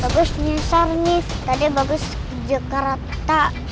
bagus nyisar nief tadi bagus kerja kereta